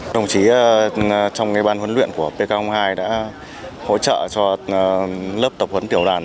đồng chí trong ban huấn luyện của pk hai đã hỗ trợ cho lớp tập huấn tiểu đoàn